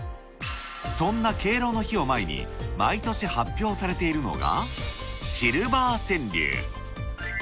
そんな敬老の日を前に、毎年発表されているのが、シルバー川柳。